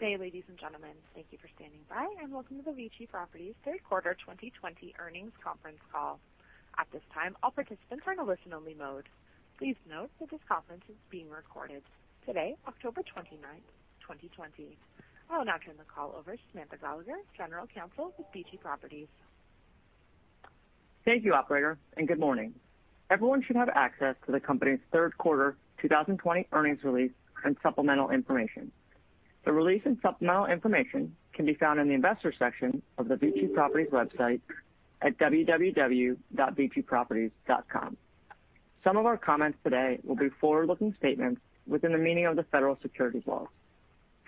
Good day, ladies and gentlemen. Thank you for standing by. Welcome to the VICI Properties Third Quarter 2020 Earnings Conference Call. At this time, all participants are in a listen-only mode. Please note that this conference is being recorded. Today, October 29th, 2020. I will now turn the call over to Samantha Gallagher, General Counsel with VICI Properties. Thank you, operator, and good morning. Everyone should have access to the company's third quarter 2020 earnings release and supplemental information. The release and supplemental information can be found in the Investors section of the VICI Properties website at www.viciproperties.com. Some of our comments today will be forward-looking statements within the meaning of the federal securities laws.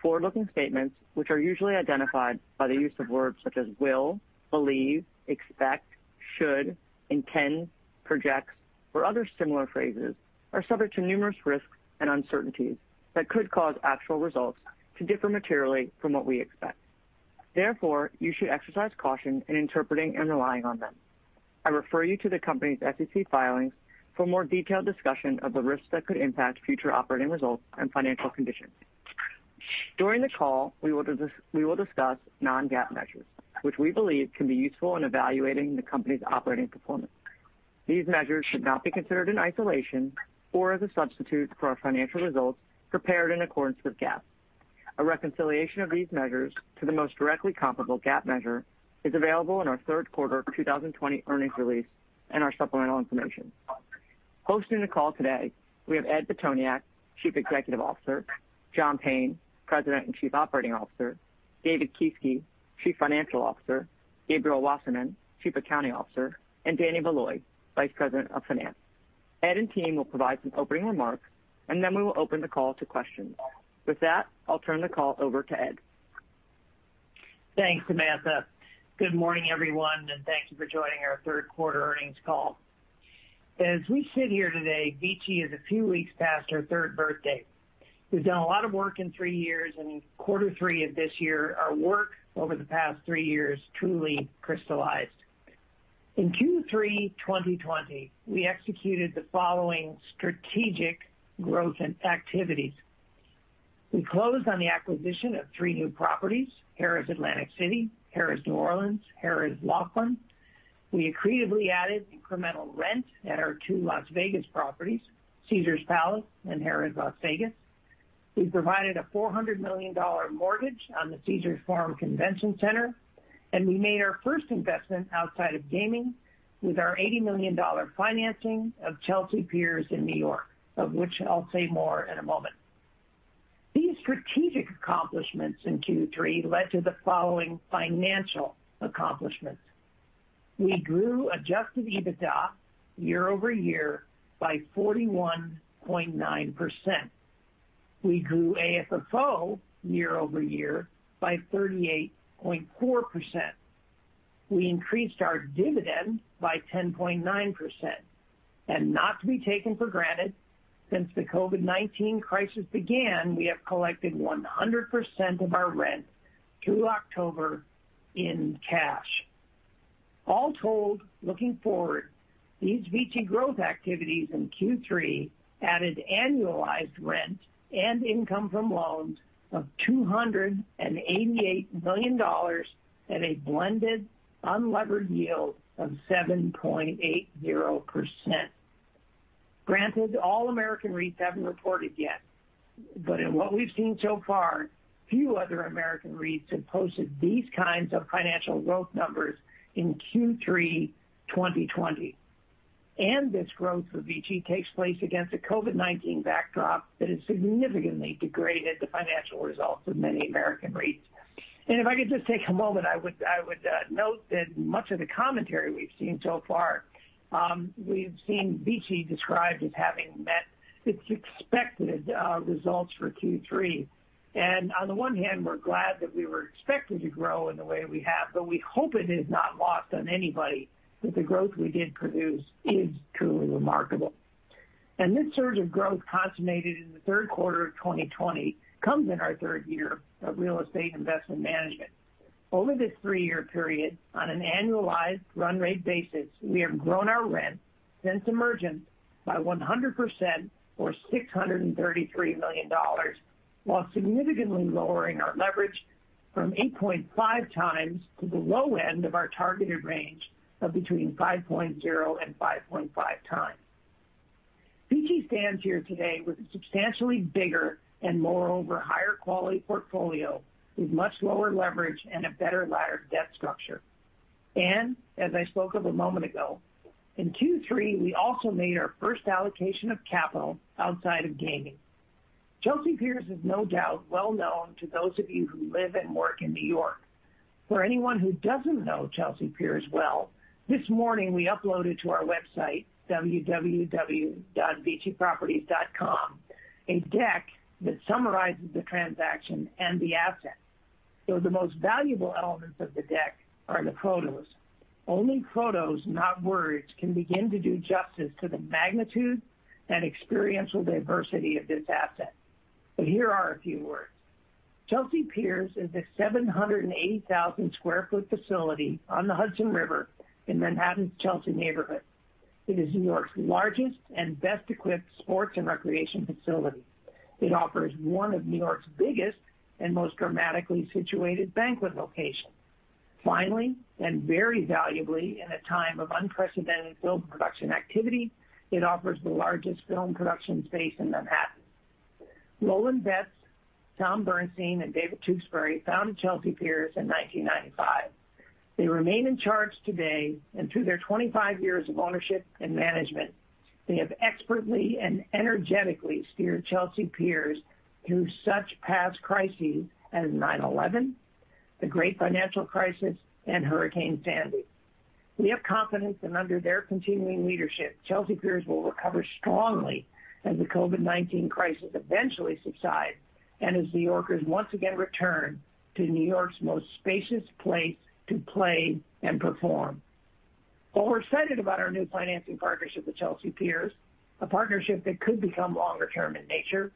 Forward-looking statements, which are usually identified by the use of words such as will, believe, expect, should, intend, projects, or other similar phrases, are subject to numerous risks and uncertainties that could cause actual results to differ materially from what we expect. You should exercise caution in interpreting and relying on them. I refer you to the company's SEC filings for a more detailed discussion of the risks that could impact future operating results and financial conditions. During the call, we will discuss non-GAAP measures, which we believe can be useful in evaluating the company's operating performance. These measures should not be considered in isolation or as a substitute for our financial results prepared in accordance with GAAP. A reconciliation of these measures to the most directly comparable GAAP measure is available in our third quarter 2020 earnings release and our supplemental information. Hosting the call today, we have Ed Pitoniak, Chief Executive Officer; John Payne, President and Chief Operating Officer; David Kieske, Chief Financial Officer; Gabriel Wasserman, Chief Accounting Officer; and Danny Valoy, Vice President of Finance. Ed and team will provide some opening remarks, and then we will open the call to questions. With that, I'll turn the call over to Ed. Thanks, Samantha. Good morning, everyone, and thank you for joining our third quarter earnings call. As we sit here today, VICI is a few weeks past our three birthday. We've done a lot of work in three years, and in quarter three of this year, our work over the past three years truly crystallized. In Q3 2020, we executed the following strategic growth and activities. We closed on the acquisition of three new properties, Harrah's Atlantic City, Harrah's New Orleans, Harrah's Laughlin. We accretively added incremental rent at our two Las Vegas properties, Caesars Palace and Harrah's Las Vegas. We provided a $400 million mortgage on the Caesars Forum Convention Center, and we made our first investment outside of gaming with our $80 million financing of Chelsea Piers in New York, of which I'll say more in a moment. These strategic accomplishments in Q3 led to the following financial accomplishments. We grew adjusted EBITDA year-over-year by 41.9%. We grew AFFO year-over-year by 38.4%. We increased our dividend by 10.9%. Not to be taken for granted, since the COVID-19 crisis began, we have collected 100% of our rent through October in cash. All told, looking forward, these VICI growth activities in Q3 added annualized rent and income from loans of $288 million at a blended unlevered yield of 7.80%. Granted, all American REITs haven't reported yet, but in what we've seen so far, few other American REITs have posted these kinds of financial growth numbers in Q3 2020. This growth for VICI takes place against a COVID-19 backdrop that has significantly degraded the financial results of many American REITs. If I could just take a moment, I would note that much of the commentary we've seen so far, we've seen VICI described as having met its expected results for Q3. On the one hand, we're glad that we were expected to grow in the way we have. We hope it is not lost on anybody that the growth we did produce is truly remarkable. This surge of growth consummated in the third quarter of 2020 comes in our third year of real estate investment management. Over this three-year period, on an annualized run rate basis, we have grown our rent since emergence by 100%, or $633 million, while significantly lowering our leverage from 8.5x to the low end of our targeted range of between 5.0x and 5.5x. VICI stands here today with a substantially bigger and moreover, higher quality portfolio with much lower leverage and a better laddered debt structure. As I spoke of a moment ago, in Q3, we also made our first allocation of capital outside of gaming. Chelsea Piers is no doubt well-known to those of you who live and work in N.Y. For anyone who doesn't know Chelsea Piers well, this morning, we uploaded to our website, www.viciproperties.com, a deck that summarizes the transaction and the asset. The most valuable elements of the deck are the photos. Only photos, not words, can begin to do justice to the magnitude and experiential diversity of this asset. Here are a few words. Chelsea Piers is a 780,000 sq ft facility on the Hudson River in Manhattan's Chelsea neighborhood. It is N.Y.'s largest and best-equipped sports and recreation facility. It offers one of New York's biggest and most dramatically situated banquet locations. Finally, and very valuably in a time of unprecedented film production activity, it offers the largest film production space in Manhattan. Roland Betts, Tom Bernstein, and David Tewksbury founded Chelsea Piers in 1995. They remain in charge today, and through their 25 years of ownership and management, they have expertly and energetically steered Chelsea Piers through such past crises as 9/11, the great financial crisis, and Hurricane Sandy. We have confidence that under their continuing leadership, Chelsea Piers will recover strongly as the COVID-19 crisis eventually subsides and as New Yorkers once again return to New York's most spacious place to play and perform. While we're excited about our new financing partnership with Chelsea Piers, a partnership that could become longer-term in nature,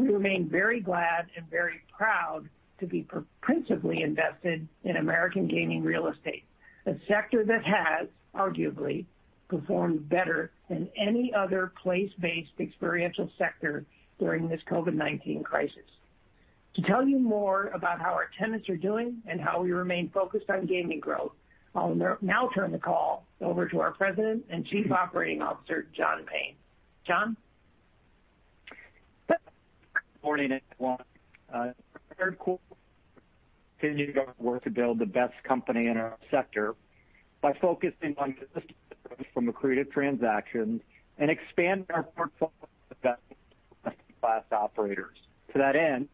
we remain very glad and very proud to be principally invested in American gaming real estate, a sector that has arguably performed better than any other place-based experiential sector during this COVID-19 crisis. To tell you more about how our tenants are doing and how we remain focused on gaming growth, I'll now turn the call over to our President and Chief Operating Officer, John Payne. John? Morning, everyone. Third quarter, we continue our work to build the best company in our sector by focusing on business from accretive transactions and expanding our portfolio of best-in-class operators. To that end,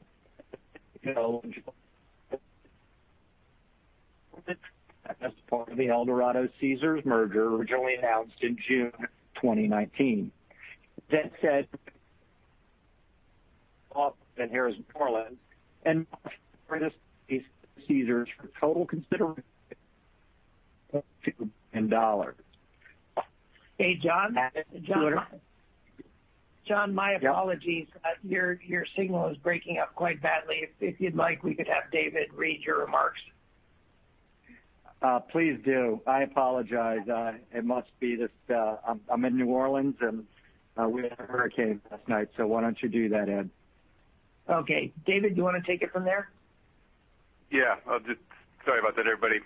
as part of the Eldorado-Caesars merger originally announced in June 2019. That said, Harrah's New Orleans and Caesars for total consideration of $3.2 billion. Hey, John? John, my apologies. Your signal is breaking up quite badly. If you'd like, we could have David read your remarks. Please do. I apologize. It must be I'm in New Orleans, and we had a hurricane last night. Why don't you do that, Ed? Okay. David, do you want to take it from there? Yeah. Sorry about that, everybody.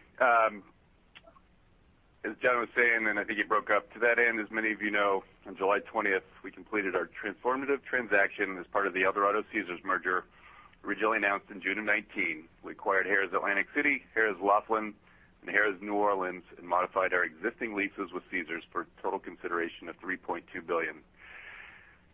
As John was saying, and I think he broke up. To that end, as many of you know, on July 20th, we completed our transformative transaction as part of the Eldorado Caesars merger originally announced in June of 2019. We acquired Harrah's Atlantic City, Harrah's Laughlin, and Harrah's New Orleans, and modified our existing leases with Caesars for total consideration of $3.2 billion.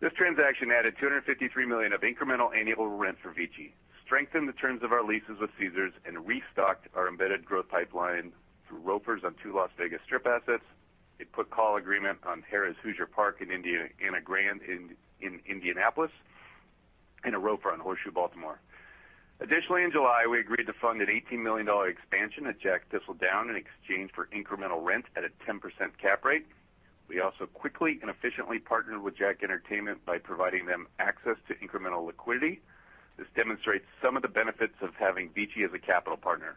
This transaction added $253 million of incremental annual rent for VICI, strengthened the terms of our leases with Caesars and restocked our embedded growth pipeline through ROFRs on two Las Vegas Strip assets. A put-call agreement on Harrah's Hoosier Park in Indiana and Indiana Grand in Indianapolis, and a ROFR on Horseshoe Baltimore. Additionally, in July, we agreed to fund an $18 million expansion at JACK Thistledown in exchange for incremental rent at a 10% cap rate. We also quickly and efficiently partnered with JACK Entertainment by providing them access to incremental liquidity. This demonstrates some of the benefits of having VICI as a capital partner,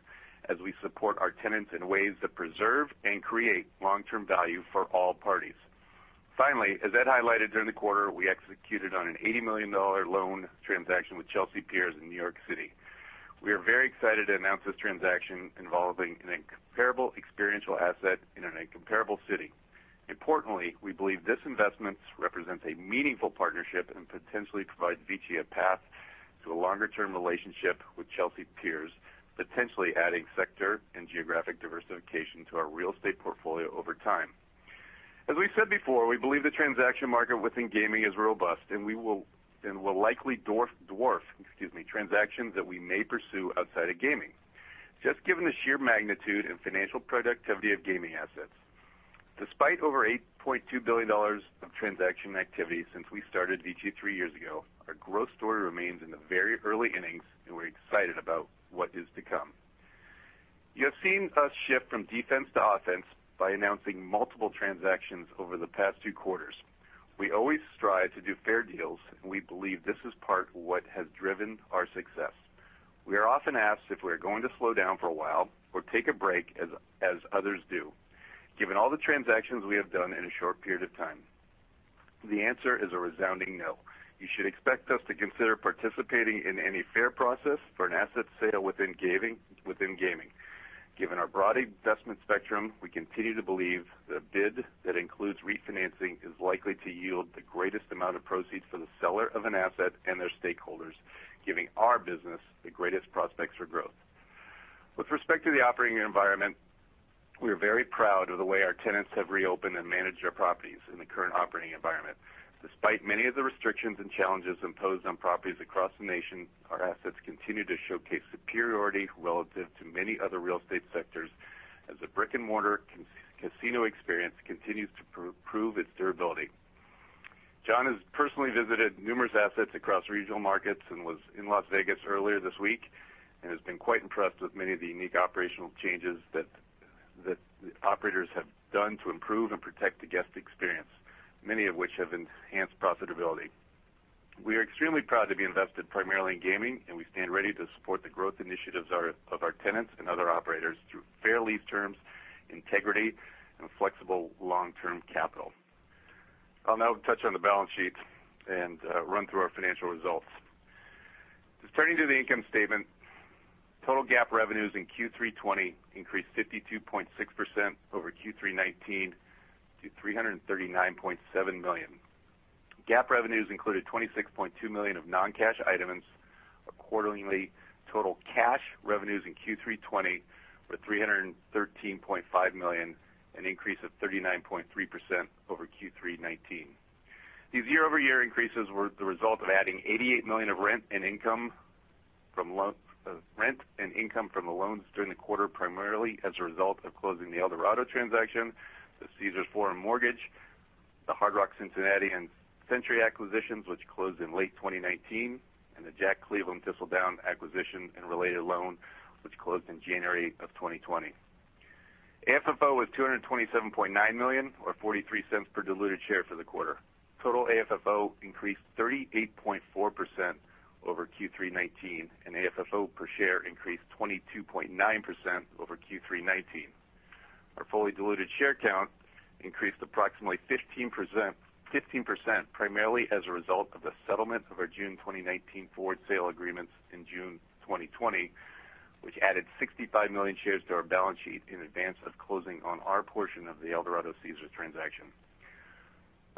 as we support our tenants in ways that preserve and create long-term value for all parties. As Ed highlighted during the quarter, we executed on an $80 million loan transaction with Chelsea Piers in New York City. We are very excited to announce this transaction involving an incomparable experiential asset in an incomparable city. We believe this investment represents a meaningful partnership and potentially provides VICI a path to a longer-term relationship with Chelsea Piers, potentially adding sector and geographic diversification to our real estate portfolio over time. As we've said before, we believe the transaction market within gaming is robust and will likely dwarf transactions that we may pursue outside of gaming. Just given the sheer magnitude and financial productivity of gaming assets. Despite over $8.2 billion of transaction activity since we started VICI three years ago, our growth story remains in the very early innings, and we're excited about what is to come. You have seen us shift from defense to offense by announcing multiple transactions over the past two quarters. We always strive to do fair deals, and we believe this is part of what has driven our success. We are often asked if we're going to slow down for a while or take a break as others do, given all the transactions we have done in a short period of time. The answer is a resounding no. You should expect us to consider participating in any fair process for an asset sale within gaming. Given our broad investment spectrum, we continue to believe the bid that includes refinancing is likely to yield the greatest amount of proceeds for the seller of an asset and their stakeholders, giving our business the greatest prospects for growth. With respect to the operating environment, we are very proud of the way our tenants have reopened and managed their properties in the current operating environment. Despite many of the restrictions and challenges imposed on properties across the nation, our assets continue to showcase superiority relative to many other real estate sectors as the brick-and-mortar casino experience continues to prove its durability. John has personally visited numerous assets across regional markets and was in Las Vegas earlier this week and has been quite impressed with many of the unique operational changes that the operators have done to improve and protect the guest experience, many of which have enhanced profitability. We are extremely proud to be invested primarily in gaming, and we stand ready to support the growth initiatives of our tenants and other operators through fair lease terms, integrity, and flexible long-term capital. I'll now touch on the balance sheet and run through our financial results. Just turning to the income statement, total GAAP revenues in Q3 2020 increased 52.6% over Q3 2019 to $339.7 million. GAAP revenues included $26.2 million of non-cash items, accordingly, total cash revenues in Q3 2020 were $313.5 million, an increase of 39.3% over Q3 2019. These year-over-year increases were the result of adding $88 million of rent and income from the loans during the quarter, primarily as a result of closing the Eldorado transaction, the Caesars Forum mortgage, the Hard Rock Cincinnati and Century acquisitions, which closed in late 2019, and the JACK Cleveland Thistledown acquisition and related loan, which closed in January of 2020. AFFO was $227.9 million, or $0.43 per diluted share for the quarter. Total AFFO increased 38.4% over Q3 2019, and AFFO per share increased 22.9% over Q3 2019. Our fully diluted share count increased approximately 15%, primarily as a result of the settlement of our June 2019 forward sale agreements in June 2020, which added 65 million shares to our balance sheet in advance of closing on our portion of the Eldorado Caesars transaction.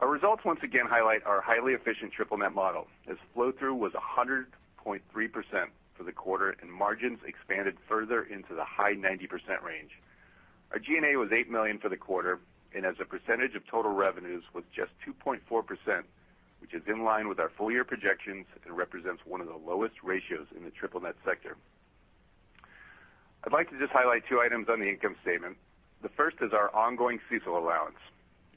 Our results once again highlight our highly efficient triple net model, as flow-through was 100.3% for the quarter and margins expanded further into the high 90% range. Our G&A was $8 million for the quarter, as a percentage of total revenues was just 2.4%, which is in line with our full-year projections and represents one of the lowest ratios in the triple net sector. I'd like to just highlight two items on the income statement. The first is our ongoing CECL allowance.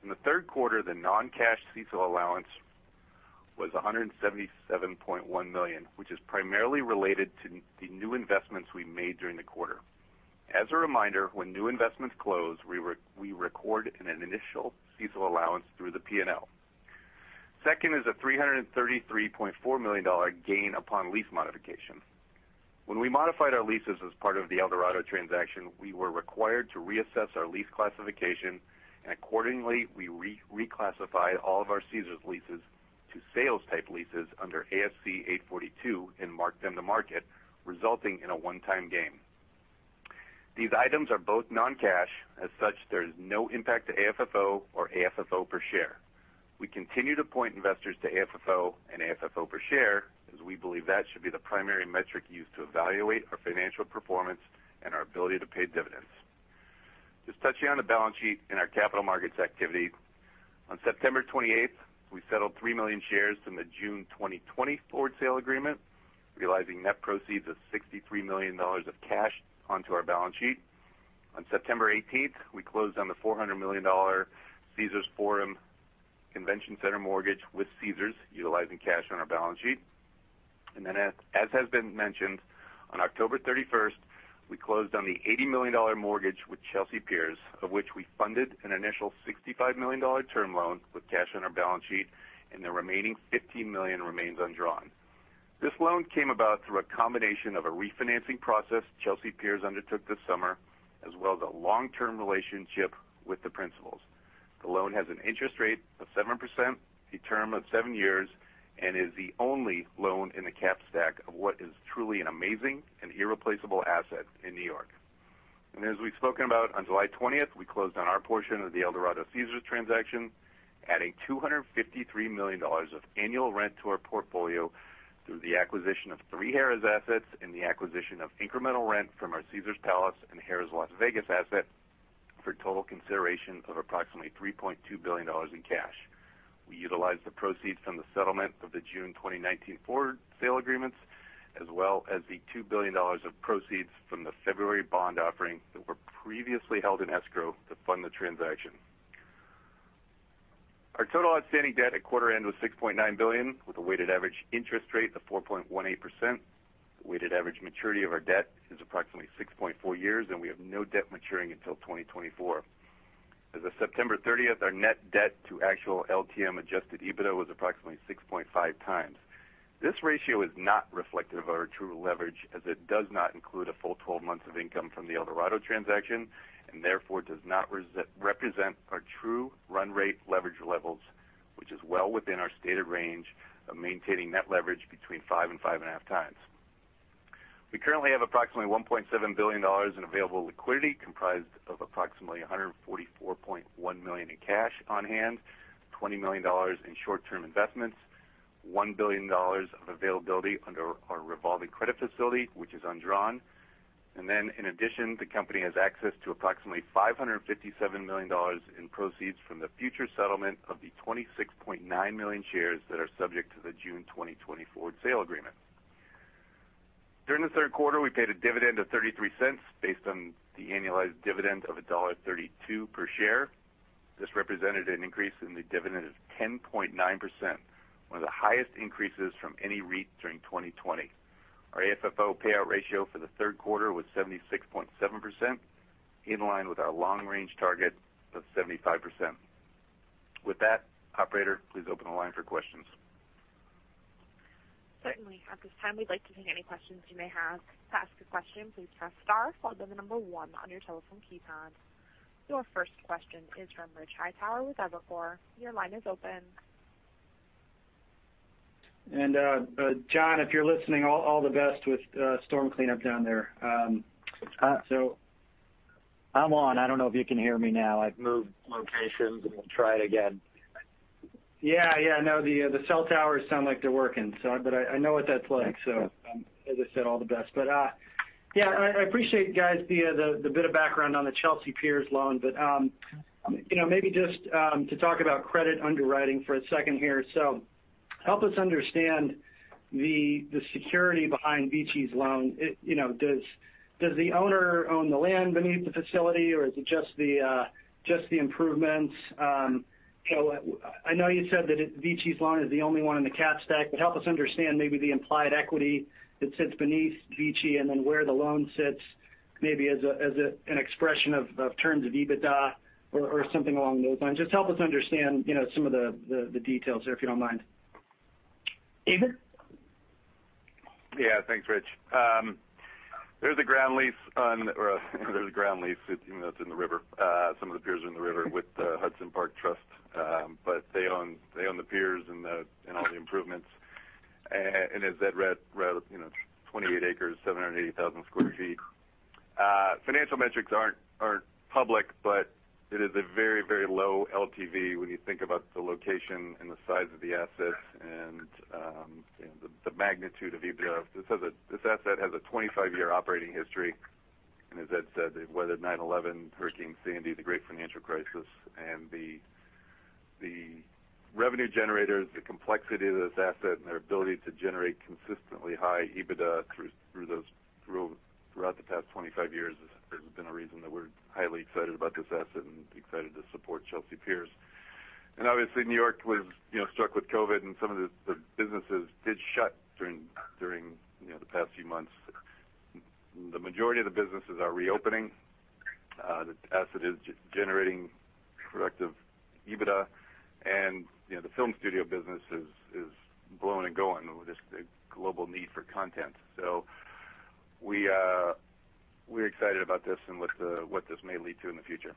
In the third quarter, the non-cash CECL allowance was $177.1 million, which is primarily related to the new investments we made during the quarter. As a reminder, when new investments close, we record an initial CECL allowance through the P&L. Second is a $333.4 million gain upon lease modification. When we modified our leases as part of the Eldorado transaction, we were required to reassess our lease classification and accordingly, we reclassified all of our Caesars leases to sales type leases under ASC 842 and marked them to market, resulting in a one-time gain. These items are both non-cash. There is no impact to AFFO or AFFO per share. We continue to point investors to AFFO and AFFO per share, as we believe that should be the primary metric used to evaluate our financial performance and our ability to pay dividends. Just touching on the balance sheet and our capital markets activity. On September 28th, we settled 3 million shares from the June 2020 forward sale agreement, realizing net proceeds of $63 million of cash onto our balance sheet. On September 18th, we closed on the $400 million Caesars Forum Convention Center mortgage with Caesars, utilizing cash on our balance sheet. As has been mentioned, on October 31st, we closed on the $80 million mortgage with Chelsea Piers, of which we funded an initial $65 million term loan with cash on our balance sheet, and the remaining $15 million remains undrawn. This loan came about through a combination of a refinancing process Chelsea Piers undertook this summer, as well as a long-term relationship with the principals. The loan has an interest rate of 7%, a term of seven years, and is the only loan in the cap stack of what is truly an amazing and irreplaceable asset in New York. As we've spoken about, on July 20th, we closed on our portion of the Eldorado Caesars transaction, adding $253 million of annual rent to our portfolio through the acquisition of three Harrah's assets and the acquisition of incremental rent from our Caesars Palace and Harrah's Las Vegas asset for total consideration of approximately $3.2 billion in cash. We utilized the proceeds from the settlement of the June 2019 forward sale agreements, as well as the $2 billion of proceeds from the February bond offering that were previously held in escrow to fund the transaction. Our total outstanding debt at quarter end was $6.9 billion, with a weighted average interest rate of 4.18%. Weighted average maturity of our debt is approximately 6.4 years. We have no debt maturing until 2024. As of September 30th, our net debt to actual LTM adjusted EBITDA was approximately 6.5x. This ratio is not reflective of our true leverage, as it does not include a full 12 months of income from the Eldorado transaction, and therefore, does not represent our true run rate leverage levels, which is well within our stated range of maintaining net leverage between 5x and 5.5x. We currently have approximately $1.7 billion in available liquidity, comprised of approximately $144.1 million in cash on hand, $20 million in short-term investments, $1 billion of availability under our revolving credit facility, which is undrawn. In addition, the company has access to approximately $557 million in proceeds from the future settlement of the 26.9 million shares that are subject to the June 2020 forward sale agreement. During the third quarter, we paid a dividend of $0.33, based on the annualized dividend of $1.32 per share. This represented an increase in the dividend of 10.9%, one of the highest increases from any REIT during 2020. Our AFFO payout ratio for the third quarter was 76.7%, in line with our long-range target of 75%. With that, operator, please open the line for questions. Certainly. At this time, we'd like to take any questions you may have. To ask a question, please press star followed by the number one on your telephone keypad. Your first question is from Rich Hightower with Evercore. Your line is open. John, if you're listening, all the best with storm cleanup down there. I'm on. I don't know if you can hear me now. I've moved locations. We'll try it again. No, the cell towers sound like they're working. I know what that's like, so as I said, all the best. I appreciate, guys, the bit of background on the Chelsea Piers loan, but maybe just to talk about credit underwriting for a second here. Help us understand the security behind VICI's loan. Does the owner own the land beneath the facility, or is it just the improvements? I know you said that VICI's loan is the only one in the cap stack, but help us understand maybe the implied equity that sits beneath VICI and then where the loan sits, maybe as an expression of terms of EBITDA or something along those lines. Just help us understand some of the details there, if you don't mind. David? Thanks, Rich. There's a ground lease, even though it's in the river. Some of the piers are in the river with the Hudson River Park Trust. They own the piers and all the improvements. As Ed read, 28 acres, 780,000 sq ft. Financial metrics aren't public. It is a very low LTV when you think about the location and the size of the asset and the magnitude of EBITDA. This asset has a 25-year operating history. As Ed said, it weathered 9/11, Hurricane Sandy, the great financial crisis. The revenue generators, the complexity of this asset, and their ability to generate consistently high EBITDA throughout the past 25 years has been a reason that we're highly excited about this asset and excited to support Chelsea Piers. Obviously, New York was struck with COVID, and some of the businesses did shut during the past few months. The majority of the businesses are reopening. The asset is generating productive EBITDA, the film studio business is blowing and going with this global need for content. We're excited about this and what this may lead to in the future.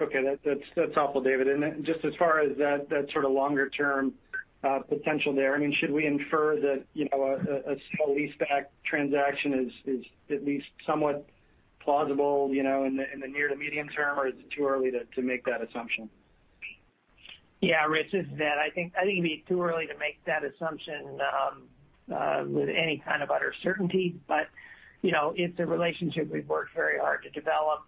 Okay. That's helpful, David. Just as far as that sort of longer-term potential there, should we infer that a sale leaseback transaction is at least somewhat plausible in the near to medium term, or is it too early to make that assumption? Rich, it's Ed. I think it'd be too early to make that assumption with any kind of utter certainty. It's a relationship we've worked very hard to develop.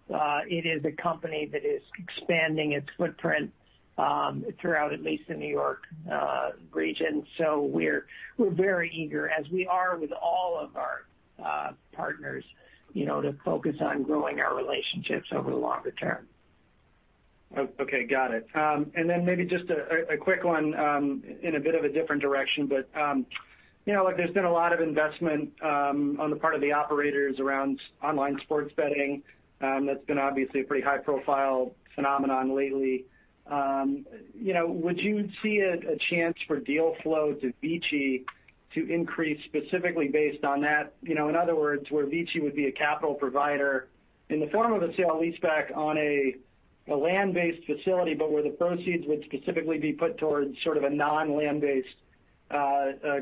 It is a company that is expanding its footprint throughout at least the New York region. We're very eager, as we are with all of our partners, to focus on growing our relationships over the longer term. Okay. Got it. Then maybe just a quick one in a bit of a different direction, there's been a lot of investment on the part of the operators around online sports betting. That's been obviously a pretty high-profile phenomenon lately. Would you see a chance for deal flow to VICI to increase specifically based on that? In other words, where VICI would be a capital provider in the form of a sale leaseback on a land-based facility, but where the proceeds would specifically be put towards sort of a non-land-based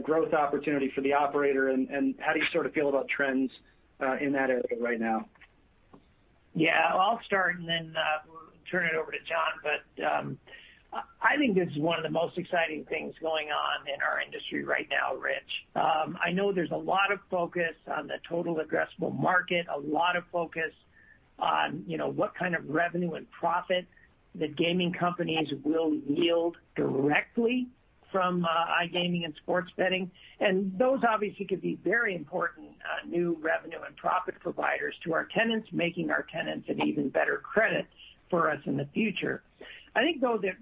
growth opportunity for the operator, and how do you sort of feel about trends in that area right now? Yeah. I'll start and then turn it over to John. I think this is one of the most exciting things going on in our industry right now, Rich. I know there's a lot of focus on the total addressable market, a lot of focus on what kind of revenue and profit the gaming companies will yield directly from iGaming and sports betting. Those obviously could be very important new revenue and profit providers to our tenants, making our tenants an even better credit for us in the future. I think, though, that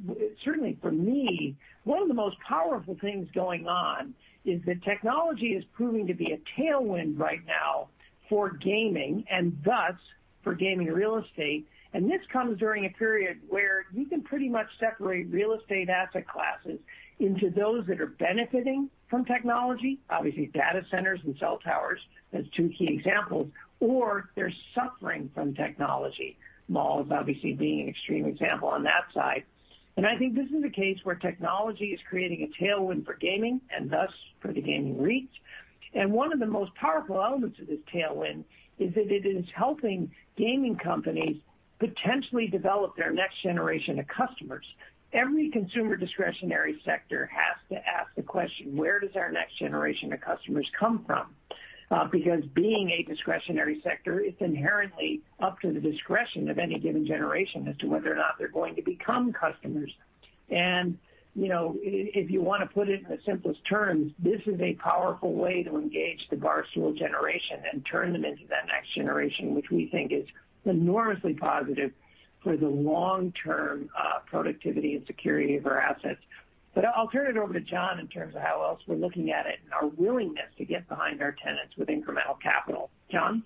certainly for me, one of the most powerful things going on is that technology is proving to be a tailwind right now for gaming and thus for gaming real estate. This comes during a period where you can pretty much separate real estate asset classes into those that are benefiting from technology, obviously data centers and cell towers as two key examples, or they're suffering from technology, malls obviously being an extreme example on that side. I think this is a case where technology is creating a tailwind for gaming and thus for the gaming REITs. One of the most powerful elements of this tailwind is that it is helping gaming companies potentially develop their next generation of customers. Every consumer discretionary sector has to ask the question, where does our next generation of customers come from? Because being a discretionary sector, it's inherently up to the discretion of any given generation as to whether or not they're going to become customers. If you want to put it in the simplest terms, this is a powerful way to engage the Barstool generation and turn them into that next generation, which we think is enormously positive for the long-term productivity and security of our assets. I'll turn it over to John in terms of how else we're looking at it and our willingness to get behind our tenants with incremental capital. John?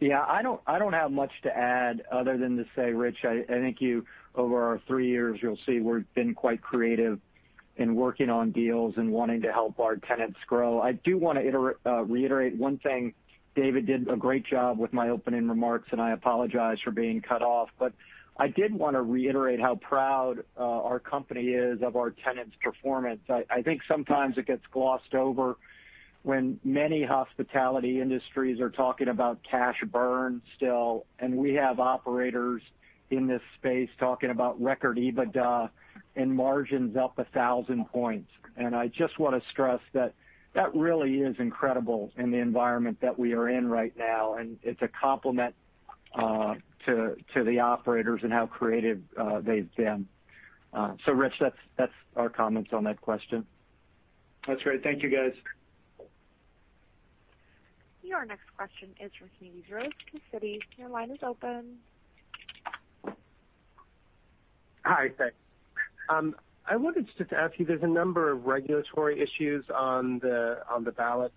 Yeah. I don't have much to add other than to say, Rich, I think over our three years, you'll see we've been quite creative in working on deals and wanting to help our tenants grow. I do want to reiterate one thing. David did a great job with my opening remarks, and I apologize for being cut off, but I did want to reiterate how proud our company is of our tenants' performance. I think sometimes it gets glossed over when many hospitality industries are talking about cash burn still, and we have operators in this space talking about record EBITDA and margins up 1,000 points. I just want to stress that that really is incredible in the environment that we are in right now, and it's a compliment to the operators and how creative they've been. Rich, that's our comments on that question. That's great. Thank you, guys. Your next question is from Smedes Rose from Citi. Your line is open. Hi, thanks. I wanted just to ask you, there's a number of regulatory issues on the ballot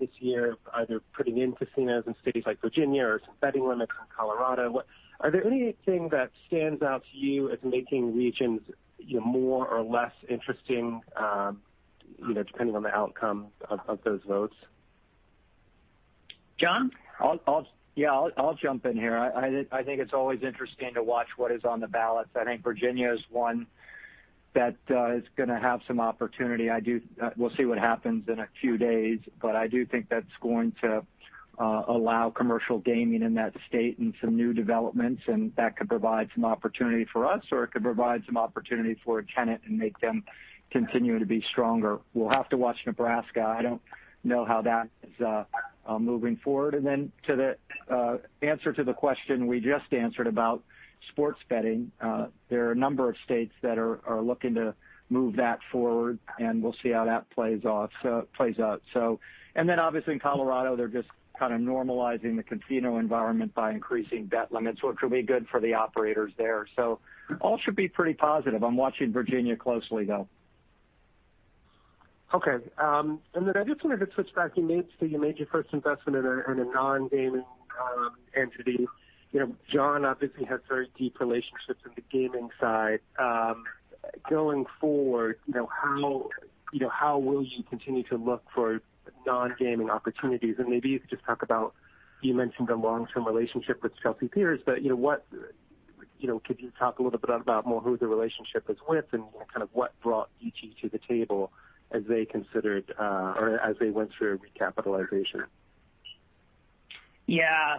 this year, either putting in casinos in cities like Virginia or some betting limits in Colorado. Are there anything that stands out to you as making regions more or less interesting, depending on the outcome of those votes? John? I'll jump in here. I think it's always interesting to watch what is on the ballots. I think Virginia is one that is going to have some opportunity. We'll see what happens in a few days, but I do think that's going to allow commercial gaming in that state and some new developments, and that could provide some opportunity for us, or it could provide some opportunity for a tenant and make them continue to be stronger. We'll have to watch Nebraska. I don't know how that is moving forward. To the answer to the question we just answered about sports betting, there are a number of states that are looking to move that forward, and we'll see how that plays out. Obviously in Colorado, they're just kind of normalizing the casino environment by increasing bet limits, which will be good for the operators there. All should be pretty positive. I'm watching Virginia closely, though. Okay. I just wanted to switch back. You made your first investment in a non-gaming entity. John obviously has very deep relationships in the gaming side. Going forward, how will you continue to look for non-gaming opportunities? Could you just talk about, you mentioned the long-term relationship with Chelsea Piers, but could you talk a little bit about more who the relationship is with and kind of what brought VICI to the table as they considered or as they went through recapitalization? Yeah.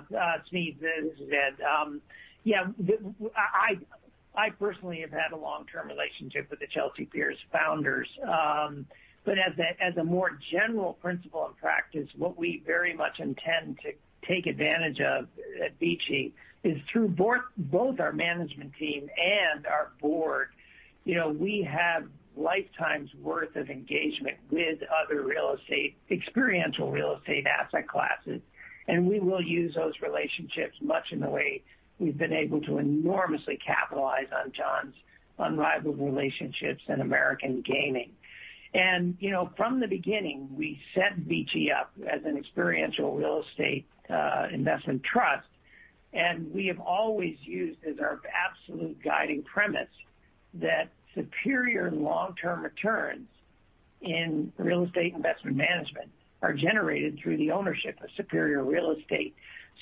Smedes, this is Ed. I personally have had a long-term relationship with the Chelsea Piers founders. As a more general principle and practice, what we very much intend to take advantage of at VICI is through both our management team and our board. We have lifetimes worth of engagement with other experiential real estate asset classes, and we will use those relationships much in the way we've been able to enormously capitalize on John's unrivaled relationships in American gaming. From the beginning, we set VICI up as an experiential Real Estate Investment Trust, and we have always used as our absolute guiding premise that superior long-term returns in real estate investment management are generated through the ownership of superior real estate.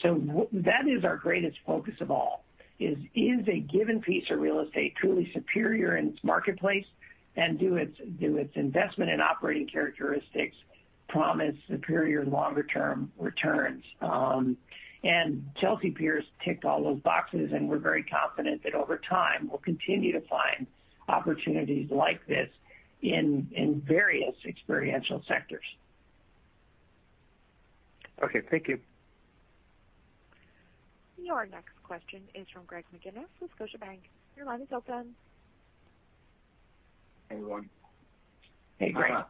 That is our greatest focus of all, is a given piece of real estate truly superior in its marketplace, and do its investment and operating characteristics promise superior longer-term returns? Chelsea Piers ticked all those boxes, and we're very confident that over time, we'll continue to find opportunities like this in various experiential sectors. Okay. Thank you. Your next question is from Greg McGinniss with Scotiabank. Your line is open. Hey, everyone. Hey, Greg.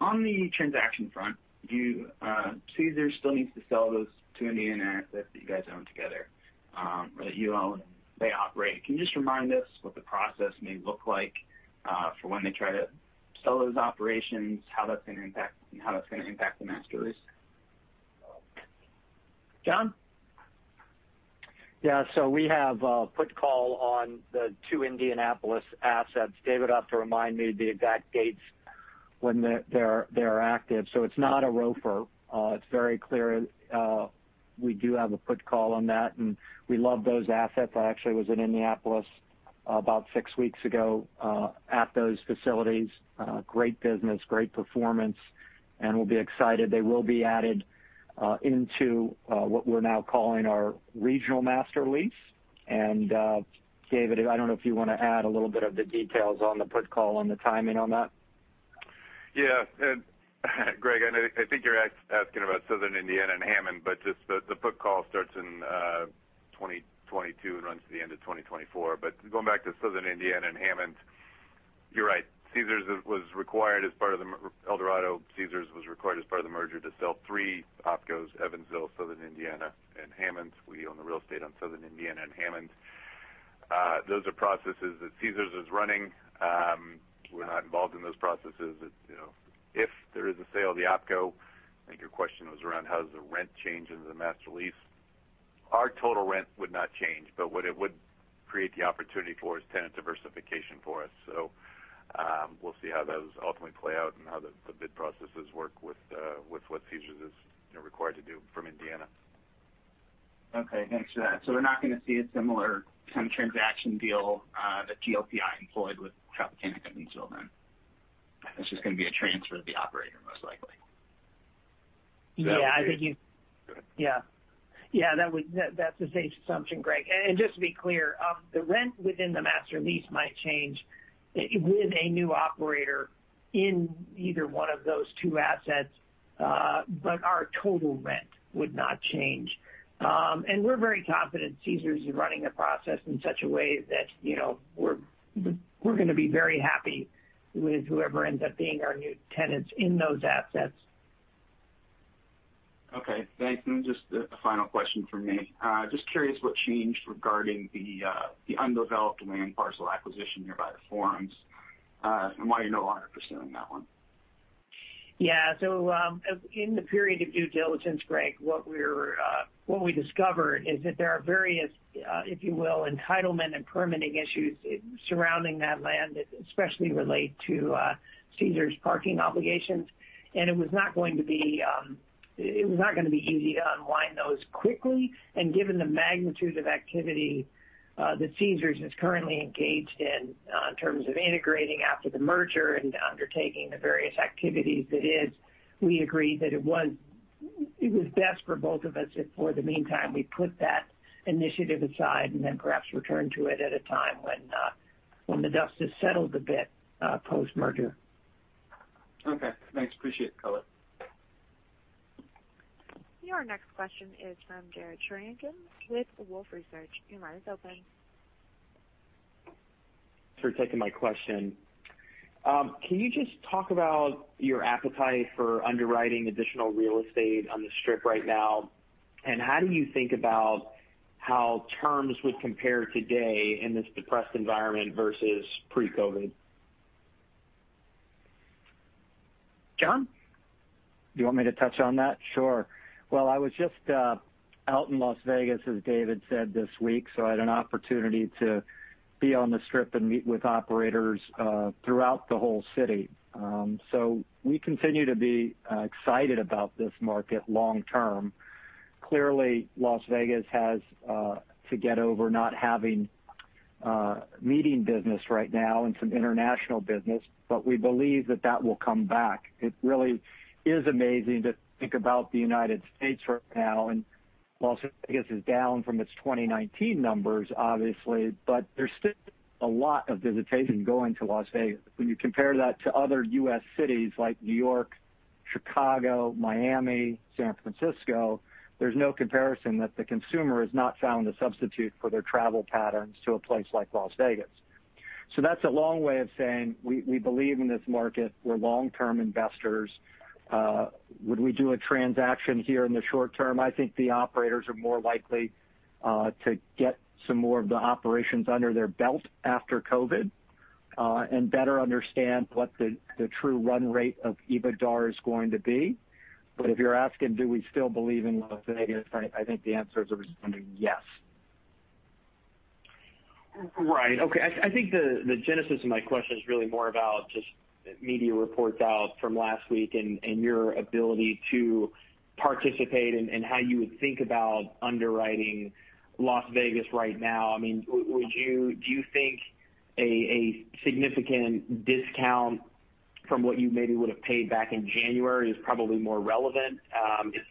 On the transaction front, Caesars still needs to sell those two Indiana assets that you guys own together, that you own, they operate. Can you just remind us what the process may look like for when they try to sell those operations, how that's going to impact the master lease? John? Yeah. We have a put call on the two Indianapolis assets. David will have to remind me of the exact dates when they are active. It's not a ROFR. It's very clear we do have a put call on that, and we love those assets. I actually was in Indianapolis about six weeks ago at those facilities. Great business. Great performance. We'll be excited. They will be added into what we're now calling our regional master lease. David, I don't know if you want to add a little bit of the details on the put call and the timing on that. Greg, I think you're asking about Southern Indiana and Hammond, just the put-call starts in 2022 and runs to the end of 2024. Going back to Southern Indiana and Hammond, you're right. Eldorado Caesars was required as part of the merger to sell three OpCos, Evansville, Southern Indiana, and Hammond. We own the real estate on Southern Indiana and Hammond. Those are processes that Caesars is running. We're not involved in those processes. If there is a sale of the OpCo, I think your question was around how does the rent change into the master lease. Our total rent would not change, but what it would create the opportunity for is tenant diversification for us. We'll see how those ultimately play out and how the bid processes work with what Caesars is required to do from Indiana. Okay, thanks for that. We're not going to see a similar kind of transaction deal that GLPI employed with Tropicana until then. It's just going to be a transfer of the operator, most likely. That's a safe assumption, Greg. Just to be clear, the rent within the master lease might change with a new operator in either one of those two assets, but our total rent would not change. We're very confident Caesars is running the process in such a way that we're going to be very happy with whoever ends up being our new tenants in those assets. Okay, thanks. Just a final question from me. Just curious what changed regarding the undeveloped land parcel acquisition nearby the Forums, and why you're no longer pursuing that one. In the period of due diligence, Greg, what we discovered is that there are various, if you will, entitlement and permitting issues surrounding that land, that especially relate to Caesars parking obligations. It was not going to be easy to unwind those quickly, and given the magnitude of activity that Caesars is currently engaged in terms of integrating after the merger and undertaking the various activities it is, we agreed that it was best for both of us if for the meantime, we put that initiative aside and then perhaps return to it at a time when the dust has settled a bit post-merger. Okay, thanks. Appreciate the color. Your next question is from Jared Shojaian with Wolfe Research. Your line is open. Thanks for taking my question. Can you just talk about your appetite for underwriting additional real estate on the Strip right now? How do you think about how terms would compare today in this depressed environment versus pre-COVID? John? Do you want me to touch on that? Sure. Well, I was just out in Las Vegas, as David said, this week. I had an opportunity to be on the Strip and meet with operators throughout the whole city. We continue to be excited about this market long term. Clearly, Las Vegas has to get over not having meeting business right now and some international business. We believe that that will come back. It really is amazing to think about the U.S. right now. Las Vegas is down from its 2019 numbers, obviously. There's still a lot of visitation going to Las Vegas. When you compare that to other U.S. cities like New York, Chicago, Miami, San Francisco, there's no comparison that the consumer has not found a substitute for their travel patterns to a place like Las Vegas. That's a long way of saying we believe in this market. We're long-term investors. Would we do a transaction here in the short term? I think the operators are more likely to get some more of the operations under their belt after COVID, and better understand what the true run rate of EBITDA is going to be. If you're asking, do we still believe in Las Vegas, right, I think the answer is a resounding yes. Right. Okay. I think the genesis of my question is really more about just media reports out from last week and your ability to participate and how you would think about underwriting Las Vegas right now. Do you think a significant discount from what you maybe would've paid back in January is probably more relevant,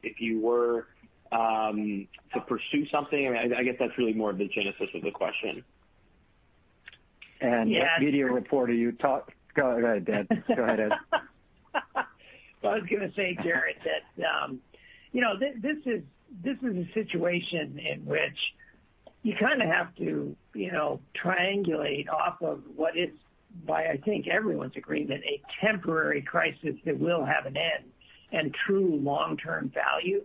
if you were to pursue something? I guess that's really more of the genesis of the question. And- Yeah media report, are you? Go ahead, Ed. Well, I was going to say, Jared, that this is a situation in which you kind of have to triangulate off of what is, by I think everyone's agreement, a temporary crisis that will have an end and true long-term value.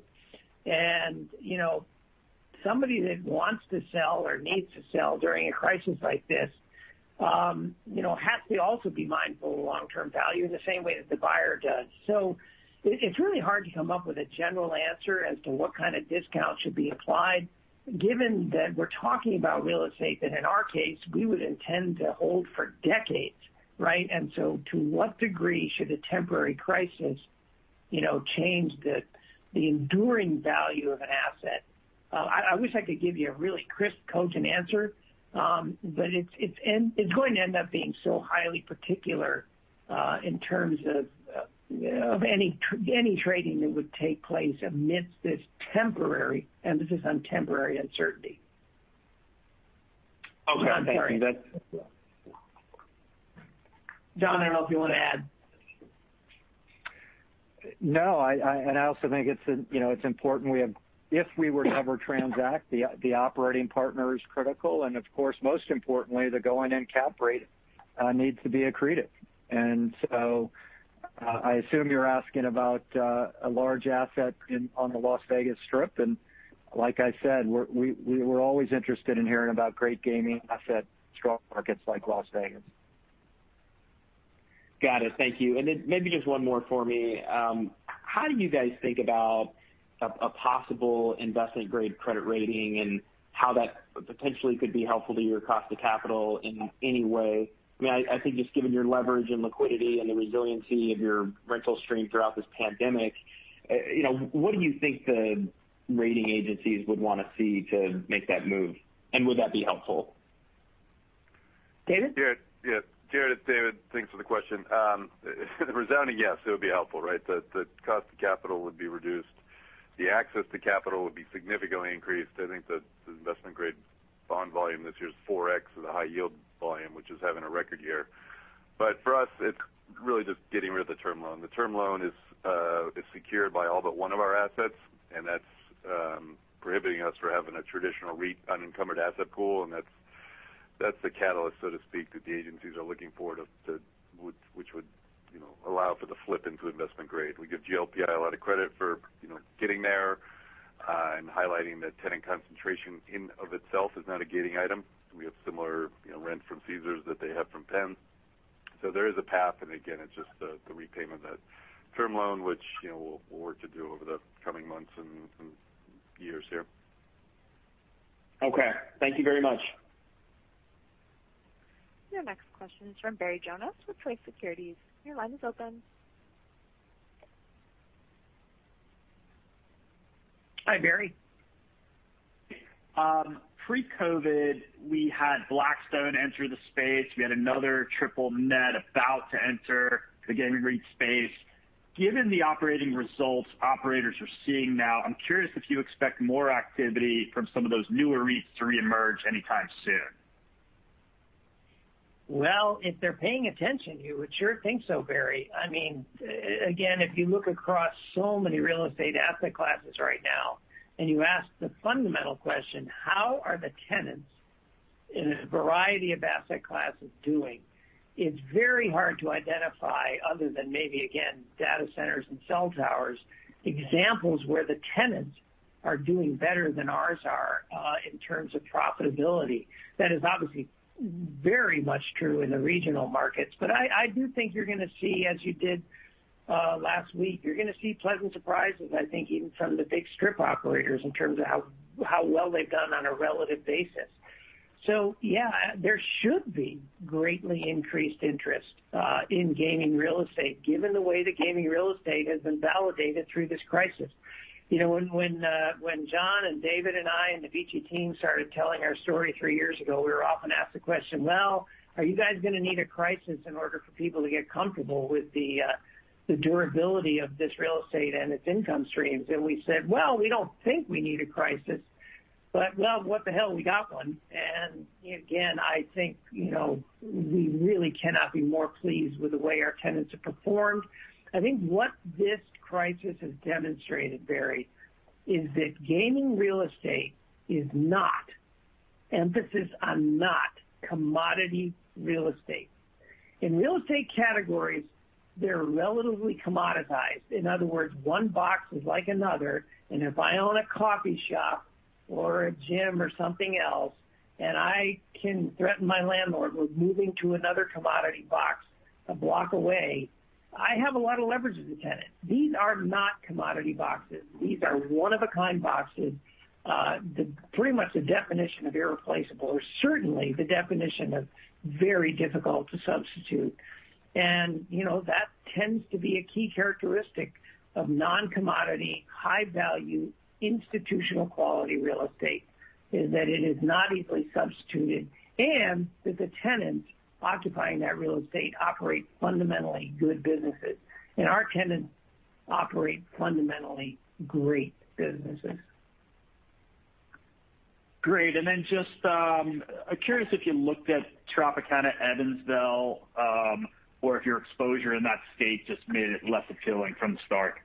Somebody that wants to sell or needs to sell during a crisis like this has to also be mindful of long-term value in the same way that the buyer does. It's really hard to come up with a general answer as to what kind of discount should be applied, given that we're talking about real estate that in our case, we would intend to hold for decades. Right? To what degree should a temporary crisis change the enduring value of an asset? I wish I could give you a really crisp, cogent answer. It's going to end up being so highly particular in terms of any trading that would take place amidst this temporary, emphasis on temporary, uncertainty. Okay. Thank you, guys. John, I don't know if you want to add. No. I also think it's important, if we were to ever transact, the operating partner is critical, and of course, most importantly, the going-in cap rate needs to be accretive. I assume you're asking about a large asset on the Las Vegas Strip, and like I said, we're always interested in hearing about great gaming assets in strong markets like Las Vegas. Got it. Thank you. Maybe just one more for me. How do you guys think about a possible investment-grade credit rating and how that potentially could be helpful to your cost of capital in any way? I think just given your leverage and liquidity and the resiliency of your rental stream throughout this pandemic, what do you think the rating agencies would want to see to make that move? Would that be helpful? David? Jared, it's David. Thanks for the question. A resounding yes, it would be helpful, right? The cost of capital would be reduced. The access to capital would be significantly increased. I think the investment-grade bond volume this year is 4x of the high yield volume, which is having a record year. For us, it's really just getting rid of the term loan. The term loan is secured by all but one of our assets, and that's prohibiting us from having a traditional REIT unencumbered asset pool, and that's the catalyst, so to speak, that the agencies are looking for, which would allow for the flip into investment grade. We give GLPI a lot of credit for getting there and highlighting that tenant concentration in of itself is not a gating item. We have similar rent from Caesars that they have from Penn. There is a path, and again, it's just the repayment of that term loan, which we'll work to do over the coming months and years here. Okay. Thank you very much. Your next question is from Barry Jonas with Truist Securities. Your line is open. Hi, Barry. Pre-COVID, we had Blackstone enter the space. We had another triple net about to enter the gaming REIT space. Given the operating results operators are seeing now, I'm curious if you expect more activity from some of those newer REITs to reemerge anytime soon. Well, if they're paying attention, you would sure think so, Barry. If you look across so many real estate asset classes right now, and you ask the fundamental question, how are the tenants in a variety of asset classes doing, it's very hard to identify, other than maybe, again, data centers and cell towers, examples where the tenants are doing better than ours are in terms of profitability. That is obviously very much true in the regional markets. I do think you're going to see, as you did last week, you're going to see pleasant surprises, I think, even from the big strip operators in terms of how well they've done on a relative basis. Yeah, there should be greatly increased interest in gaming real estate, given the way that gaming real estate has been validated through this crisis. When John and David and I and the VICI team started telling our story three years ago, we were often asked the question, "Well, are you guys going to need a crisis in order for people to get comfortable with the durability of this real estate and its income streams?" We said, "Well, we don't think we need a crisis," but well, what the hell, we got one. Again, I think, we really cannot be more pleased with the way our tenants have performed. I think what this crisis has demonstrated, Barry, is that gaming real estate is not, emphasis on not, commodity real estate. In real estate categories, they're relatively commoditized. In other words, one box is like another, if I own a coffee shop or a gym or something else, and I can threaten my landlord with moving to another commodity box a block away, I have a lot of leverage as a tenant. These are not commodity boxes. These are one-of-a-kind boxes. Pretty much the definition of irreplaceable, or certainly the definition of very difficult to substitute. That tends to be a key characteristic of non-commodity, high-value, institutional-quality real estate is that it is not easily substituted, and that the tenants occupying that real estate operate fundamentally good businesses. Our tenants operate fundamentally great businesses. Great. Then just, I'm curious if you looked at Tropicana Evansville or if your exposure in that state just made it less appealing from the start.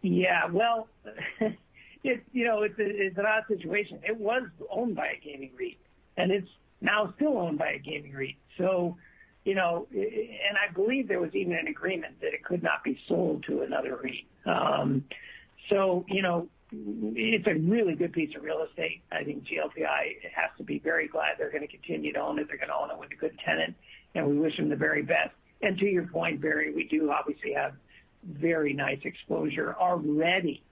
Yeah. Well it's an odd situation. It was owned by a gaming REIT, and it's now still owned by a gaming REIT. I believe there was even an agreement that it could not be sold to another REIT. It's a really good piece of real estate. I think GLPI has to be very glad they're going to continue to own it. They're going to own it with a good tenant, and we wish them the very best. To your point, Barry, we do obviously have very nice exposure already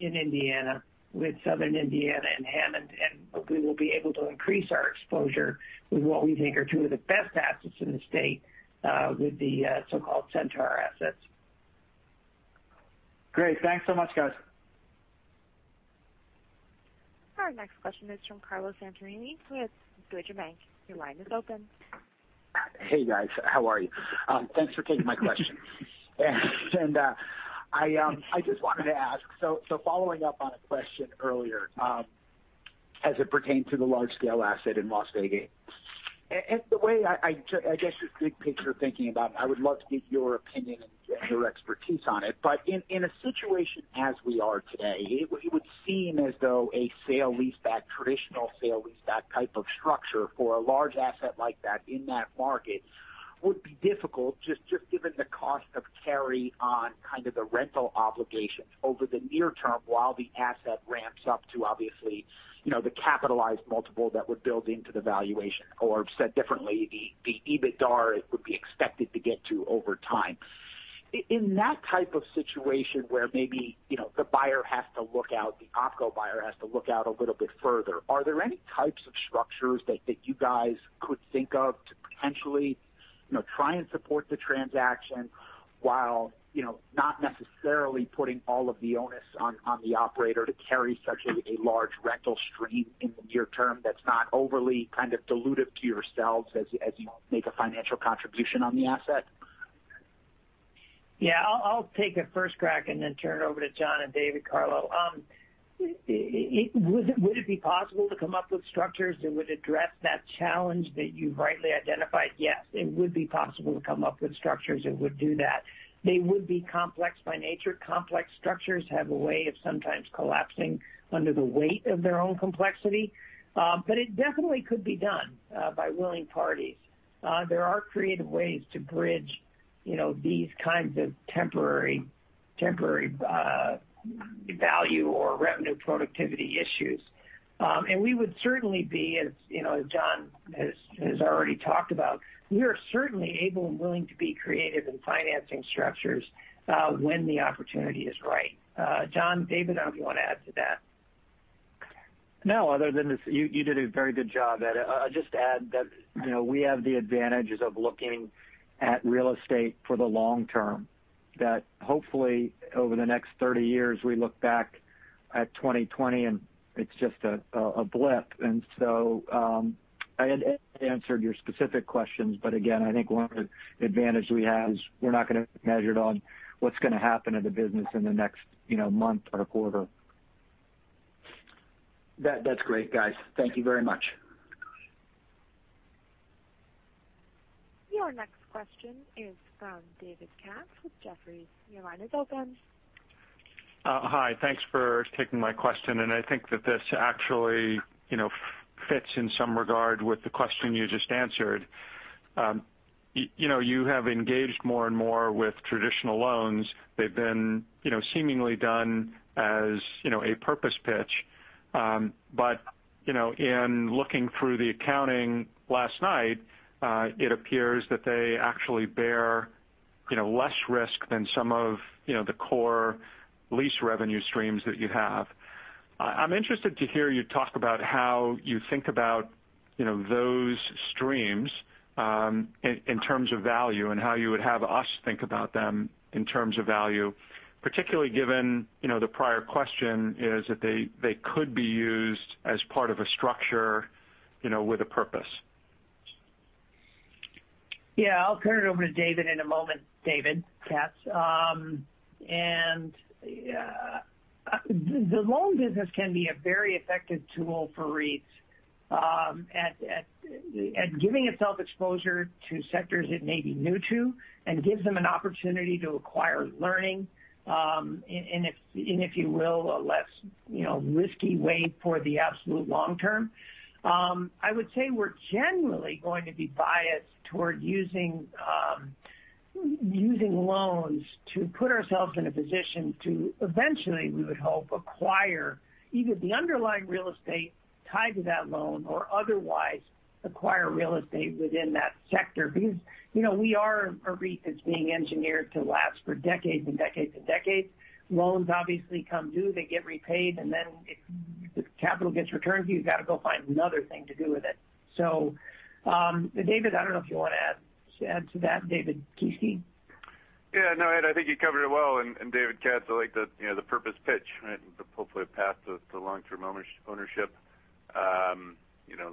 in Indiana with Southern Indiana and Hammond. Hopefully, we'll be able to increase our exposure with what we think are two of the best assets in the state with the so-called Centaur assets. Great. Thanks so much, guys. Our next question is from Carlo Santarelli with Deutsche Bank. Your line is open. Hey, guys. How are you? Thanks for taking my question. I just wanted to ask, following up on a question earlier as it pertains to the large-scale asset in Las Vegas. The way, I guess, just big picture thinking about it, I would love to get your opinion and your expertise on it. In a situation as we are today, it would seem as though a traditional sale leaseback type of structure for a large asset like that in that market would be difficult, just given the cost of carry on kind of the rental obligations over the near term while the asset ramps up to obviously, the capitalized multiple that would build into the valuation. Said differently, the EBITDA it would be expected to get to over time. In that type of situation where maybe the OpCo buyer has to look out a little bit further, are there any types of structures that you guys could think of to potentially try and support the transaction while not necessarily putting all of the onus on the operator to carry such a large rental stream in the near term that's not overly kind of dilutive to yourselves as you make a financial contribution on the asset? Yeah. I'll take a first crack and then turn it over to John and David Carlo. Would it be possible to come up with structures that would address that challenge that you've rightly identified? Yes, it would be possible to come up with structures that would do that. They would be complex by nature. Complex structures have a way of sometimes collapsing under the weight of their own complexity. It definitely could be done by willing parties. There are creative ways to bridge these kinds of temporary value or revenue productivity issues. We would certainly be, as John has already talked about, we are certainly able and willing to be creative in financing structures when the opportunity is right. John, David, I don't know if you want to add to that. No, other than you did a very good job, Ed. I'll just add that we have the advantages of looking at real estate for the long term, that hopefully over the next 30 years, we look back at 2020 and it's just a blip. I had answered your specific questions. Again, I think one of the advantage we have is we're not going to be measured on what's going to happen in the business in the next month or quarter. That's great, guys. Thank you very much. Your next question is from David Katz with Jefferies. Your line is open. Hi. Thanks for taking my question. I think that this actually fits in some regard with the question you just answered. You have engaged more and more with traditional loans. They've been seemingly done as a purpose built. In looking through the accounting last night, it appears that they actually bear less risk than some of the core lease revenue streams that you have. I'm interested to hear you talk about how you think about those streams in terms of value and how you would have us think about them in terms of value, particularly given the prior question is that they could be used as part of a structure with a purpose. Yeah. I'll turn it over to David in a moment, David Katz. The loan business can be a very effective tool for REITs at giving itself exposure to sectors it may be new to and gives them an opportunity to acquire learning, and if you will, a less risky way for the absolute long term. I would say we're generally going to be biased toward using loans to put ourselves in a position to eventually, we would hope, acquire either the underlying real estate tied to that loan or otherwise acquire real estate within that sector. We are a REIT that's being engineered to last for decades and decades and decades. Loans obviously come due, they get repaid, and then if the capital gets returned to you've got to go find another thing to do with it. David, I don't know if you want to add to that, David Kieske. Yeah, no, Ed, I think you covered it well. David Katz, I like the purpose built, right, and hopefully a path to long-term ownership.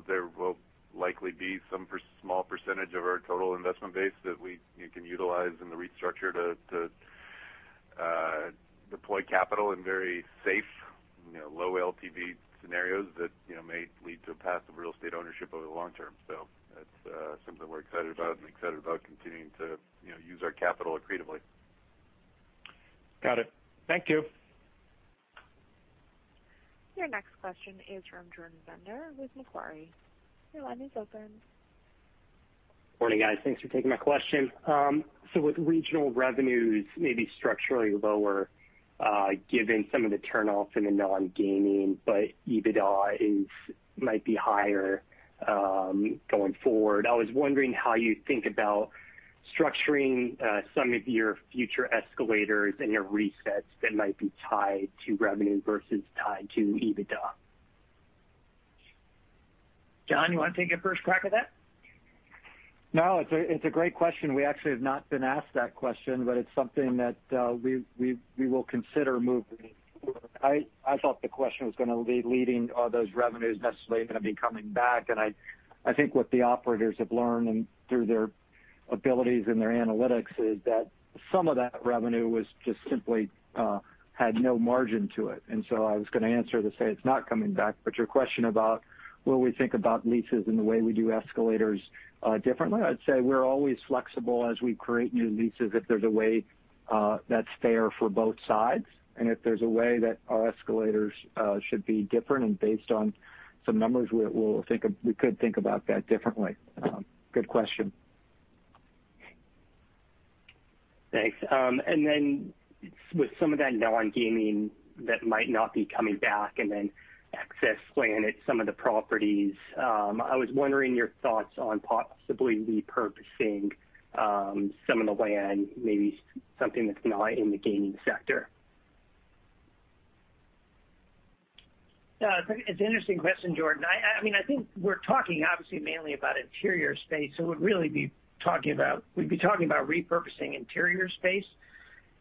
There will likely be some small percentage of our total investment base that we can utilize in the REIT structure to deploy capital in very safe low LTV scenarios that may lead to a path of real estate ownership over the long term. That's something we're excited about and excited about continuing to use our capital creatively. Got it. Thank you. Your next question is from Jordan Bender with Macquarie. Your line is open. Morning, guys. Thanks for taking my question. With regional revenues maybe structurally lower given some of the turn-offs in the non-gaming, but EBITDA might be higher going forward. I was wondering how you think about structuring some of your future escalators and your resets that might be tied to revenue versus tied to EBITDA. John, you want to take a first crack at that? No, it's a great question. We actually have not been asked that question, but it's something that we will consider moving forward. I thought the question was going to be leading, are those revenues necessarily going to be coming back? I think what the operators have learned through their abilities in their analytics is that some of that revenue just simply had no margin to it. I was going to answer to say it's not coming back, but your question about will we think about leases and the way we do escalators differently, I'd say we're always flexible as we create new leases, if there's a way that's fair for both sides. If there's a way that our escalators should be different and based on some numbers, we could think about that differently. Good question. Thanks. With some of that non-gaming that might not be coming back and then excess land at some of the properties, I was wondering your thoughts on possibly repurposing some of the land, maybe something that's not in the gaming sector. Yeah. It's an interesting question, Jordan. I think we're talking obviously mainly about interior space, so we'd be talking about repurposing interior space.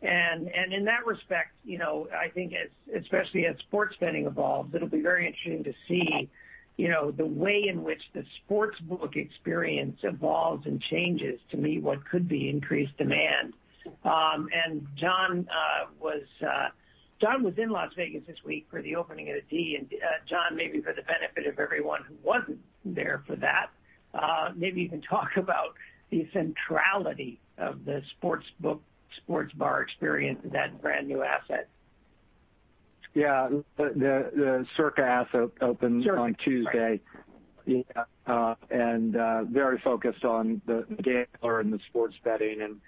In that respect, I think, especially as sports betting evolves, it'll be very interesting to see the way in which the sportsbook experience evolves and changes to meet what could be increased demand. John was in Las Vegas this week for the opening of the D. John, maybe for the benefit of everyone who wasn't there for that, maybe you can talk about the centrality of the sportsbook, sports bar experience in that brand-new asset. Yeah. The Circa asset opened on Tuesday. Circa, right. Yeah. Very focused on the gambler and the sports betting,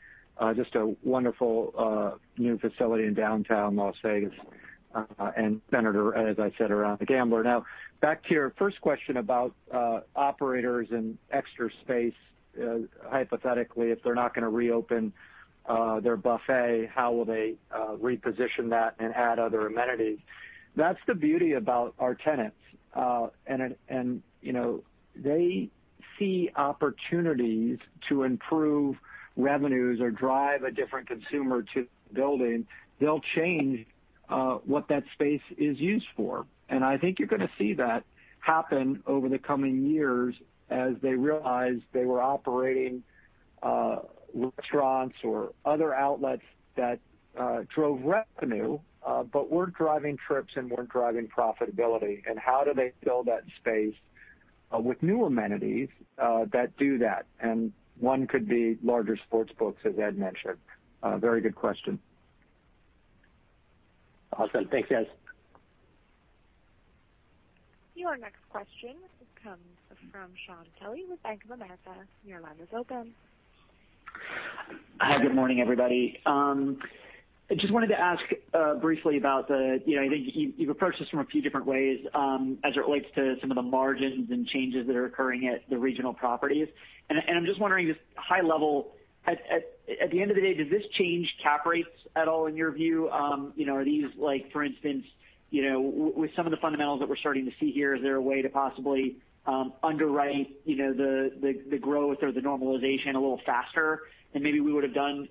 just a wonderful new facility in downtown Las Vegas. Centered, as I said, around the gambler. Now, back to your first question about operators and extra space. Hypothetically, if they're not going to reopen their buffet, how will they reposition that and add other amenities? That's the beauty about our tenants. They see opportunities to improve revenues or drive a different consumer to the building. They'll change what that space is used for. I think you're going to see that happen over the coming years as they realize they were operating restaurants or other outlets that drove revenue, but weren't driving trips and weren't driving profitability, and how do they fill that space with new amenities that do that? One could be larger sportsbooks, as Ed mentioned. A very good question. Awesome. Thanks, guys. Your next question comes from Shaun Kelley with Bank of America. Your line is open. Hi. Good morning, everybody. I just wanted to ask briefly about I think you've approached this from a few different ways as it relates to some of the margins and changes that are occurring at the regional properties. I'm just wondering, just high level, at the end of the day, does this change cap rates at all in your view? Are these like, for instance, with some of the fundamentals that we're starting to see here, is there a way to possibly underwrite the growth or the normalization a little faster than maybe we would've done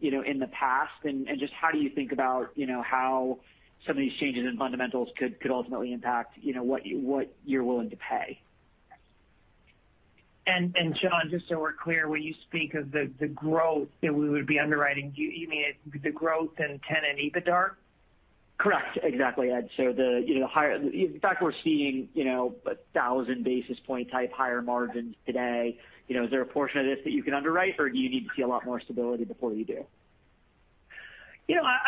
in the past? Just how do you think about how some of these changes in fundamentals could ultimately impact what you're willing to pay? Shaun, just so we're clear, when you speak of the growth that we would be underwriting, do you mean the growth in tenant EBITDA? Correct. Exactly, Ed. In fact, we're seeing 1,000 basis point type higher margins today. Is there a portion of this that you can underwrite, or do you need to see a lot more stability before you do?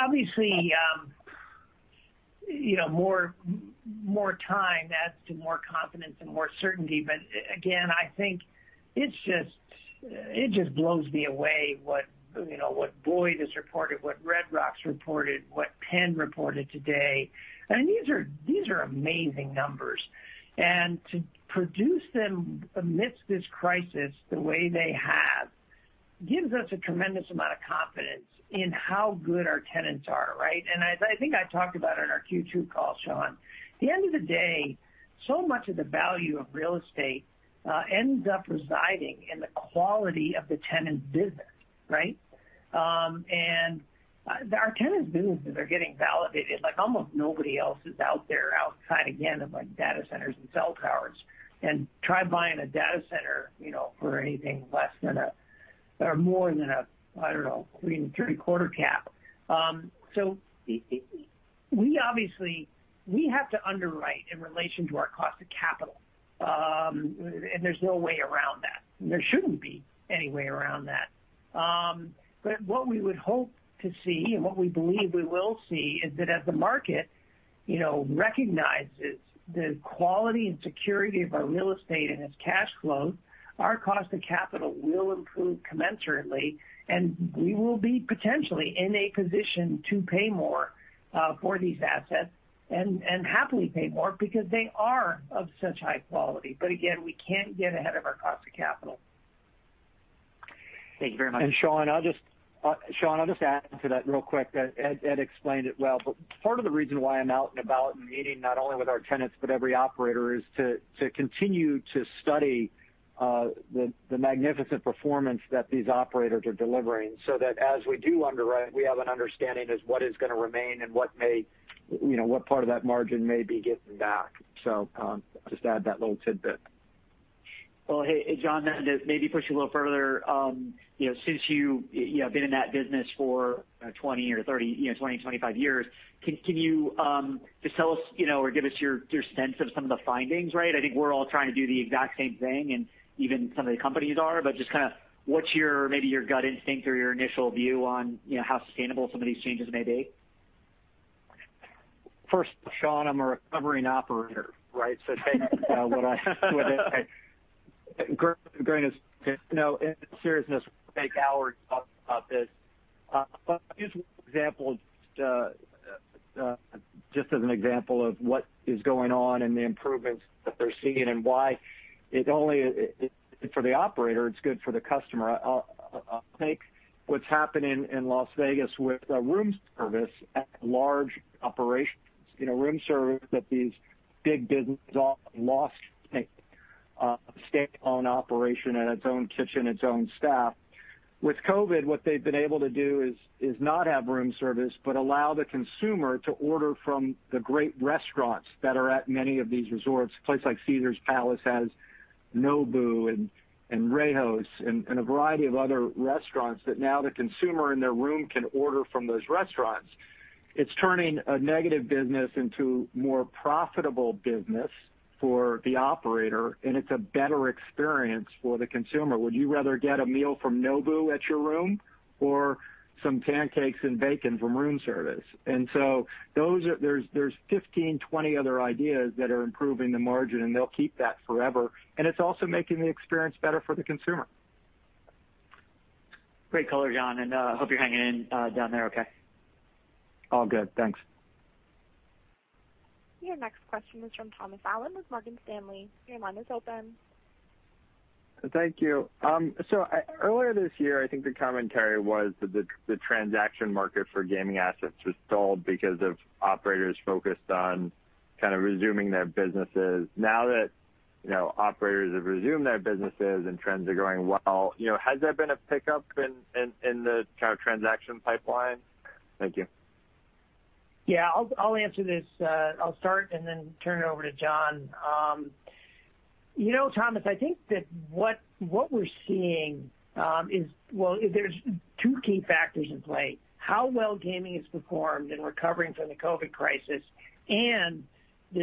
Obviously, more time adds to more confidence and more certainty. Again, I think it just blows me away what Boyd has reported, what Red Rock's reported, what Penn reported today. These are amazing numbers. To produce them amidst this crisis the way they have, gives us a tremendous amount of confidence in how good our tenants are, right? As I think I talked about on our Q2 call, Shaun, at the end of the day, so much of the value of real estate ends up residing in the quality of the tenant business, right? Our tenant businesses are getting validated. Like almost nobody else is out there outside, again, of like data centers and cell towers. Try buying a data center for anything more than a, I don't know, three and three-quarter cap. Obviously, we have to underwrite in relation to our cost of capital. There's no way around that. There shouldn't be any way around that. What we would hope to see, and what we believe we will see, is that as the market recognizes the quality and security of our real estate and its cash flow, our cost of capital will improve commensurately, and we will be potentially in a position to pay more for these assets and happily pay more because they are of such high quality. Again, we can't get ahead of our cost of capital. Thank you very much. Shaun, I'll just add to that real quick. Ed explained it well, but part of the reason why I'm out and about and meeting not only with our tenants, but every operator, is to continue to study the magnificent performance that these operators are delivering, so that as we do underwrite, we have an understanding as what is going to remain and what part of that margin may be getting back. Just add that little tidbit. Well, hey, John, to maybe push you a little further. Since you have been in that business for 20 or 30, 20, 25 years, can you just tell us or give us your sense of some of the findings, right? I think we're all trying to do the exact same thing, and even some of the companies are, but just kind of what's maybe your gut instinct or your initial view on how sustainable some of these changes may be? First, Shaun, I'm a recovering operator, right? Take what I say with a grain of seriousness. We could take hours talking about this. Here's one example, just as an example of what is going on and the improvements that they're seeing and why it's good for the operator, it's good for the customer. I'll take what's happening in Las Vegas with room service at large operations. Room service at these big businesses all lost money. A standalone operation and its own kitchen, its own staff. With COVID, what they've been able to do is not have room service, but allow the consumer to order from the great restaurants that are at many of these resorts. A place like Caesars Palace has Nobu and Rao's and a variety of other restaurants that now the consumer in their room can order from those restaurants. It's turning a negative business into more profitable business for the operator, and it's a better experience for the consumer. Would you rather get a meal from Nobu at your room or some pancakes and bacon from room service? There's 15, 20 other ideas that are improving the margin, and they'll keep that forever. It's also making the experience better for the consumer. Great color, John. I hope you're hanging in down there okay. All good. Thanks. Your next question is from Thomas Allen with Morgan Stanley. Your line is open. Thank you. Earlier this year, I think the commentary was that the transaction market for gaming assets was stalled because of operators focused on kind of resuming their businesses. Now that operators have resumed their businesses and trends are going well, has there been a pickup in the kind of transaction pipeline? Thank you. Yeah, I'll answer this. I'll start and then turn it over to John. Thomas, I think that what we're seeing is, well, there's two key factors in play. How well gaming has performed in recovering from the COVID crisis and the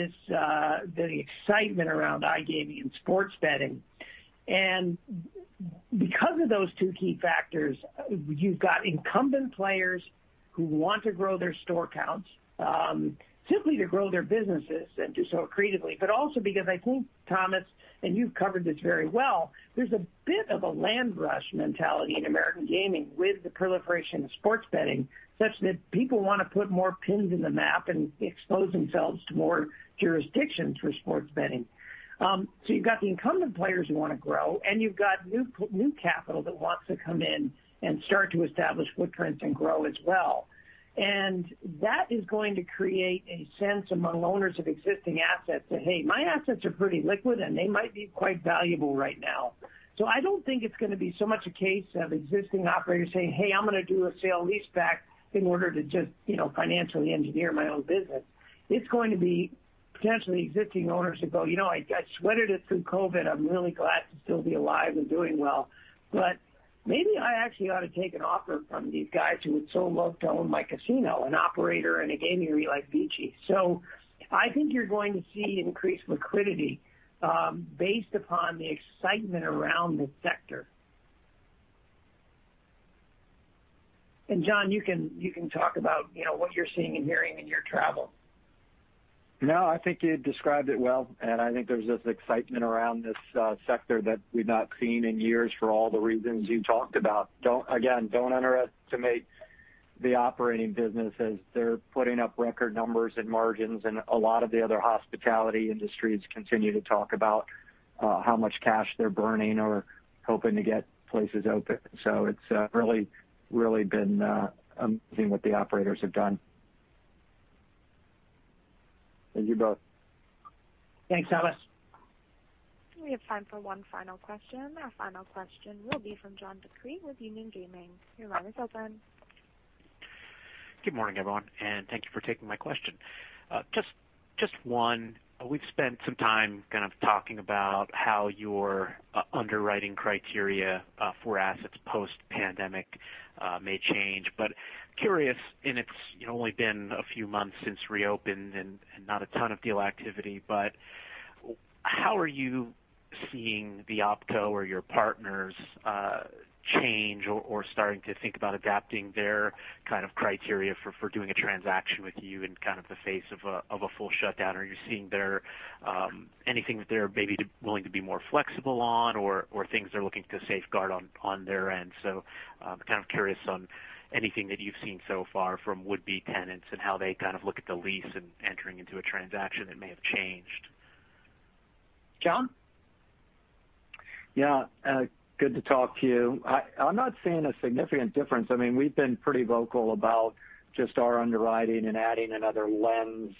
excitement around iGaming and sports betting. Because of those two key factors, you've got incumbent players who want to grow their store counts, simply to grow their businesses and do so creatively, but also because I think, Thomas, and you've covered this very well, there's a bit of a land rush mentality in American gaming with the proliferation of sports betting, such that people want to put more pins in the map and expose themselves to more jurisdictions for sports betting. You've got the incumbent players who want to grow, and you've got new capital that wants to come in and start to establish footprints and grow as well. That is going to create a sense among owners of existing assets that, hey, my assets are pretty liquid, and they might be quite valuable right now. I don't think it's going to be so much a case of existing operators saying, "Hey, I'm going to do a sale-leaseback in order to just financially engineer my own business." It's going to be potentially existing owners who go, "I sweated it through COVID. I'm really glad to still be alive and doing well, maybe I actually ought to take an offer from these guys who would so love to own my casino, an operator in a gaming area like VICI. I think you're going to see increased liquidity based upon the excitement around the sector. John, you can talk about what you're seeing and hearing in your travel. No, I think you described it well, and I think there's this excitement around this sector that we've not seen in years for all the reasons you talked about. Again, don't underestimate the operating businesses. They're putting up record numbers and margins, and a lot of the other hospitality industries continue to talk about how much cash they're burning or hoping to get places open. It's really been amazing what the operators have done. Thank you both. Thanks, Thomas. We have time for one final question. Our final question will be from John DeCree with Union Gaming. Your line is open. Good morning, everyone, and thank you for taking my question. Just one. We've spent some time kind of talking about how your underwriting criteria for assets post-pandemic may change, but curious, and it's only been a few months since reopened and not a ton of deal activity, but how are you seeing the OpCo or your partners change or starting to think about adapting their kind of criteria for doing a transaction with you in kind of the face of a full shutdown? Are you seeing anything that they're maybe willing to be more flexible on or things they're looking to safeguard on their end? Kind of curious on anything that you've seen so far from would-be tenants and how they kind of look at the lease and entering into a transaction that may have changed. John? Good to talk to you. I'm not seeing a significant difference. We've been pretty vocal about just our underwriting and adding another lens